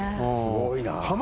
すごいなぁ。